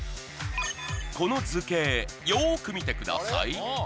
この図形よく見てみてください。